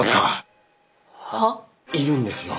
いるんですよ。